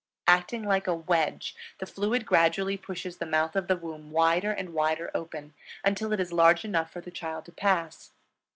Acting like a wedge, the fluid gradually pushes the mouth of the womb wider and wider open, until it is large enough for the child to pass.